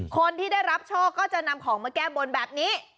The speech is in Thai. คนที่ได้รับโชคก็จะนำของมาแก้บนแบบนี้